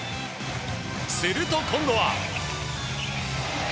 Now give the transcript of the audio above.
すると今度は。